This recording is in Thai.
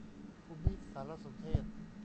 ภูมิสารสนเทศ